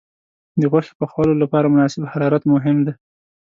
د غوښې پخولو لپاره مناسب حرارت مهم دی.